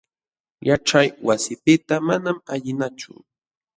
Yaćhay wasipiqta manam ayqinachu.